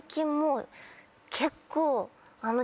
結構。